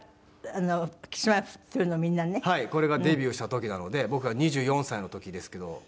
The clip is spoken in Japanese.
これがデビューした時なので僕が２４歳の時ですけど。